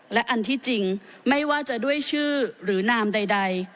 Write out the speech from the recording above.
และอันที่จริงไม่ว่าจะด้วยชื่อหรือนามใด